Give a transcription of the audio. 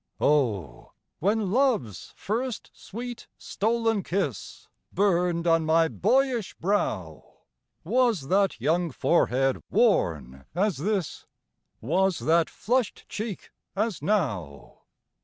Oh, when love's first, sweet, stolen kiss Burned on my boyish brow, Was that young forehead worn as this? Was that flushed cheek as now?